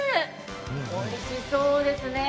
おいしそうですね。